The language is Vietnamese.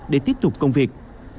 để tiếp tục công việc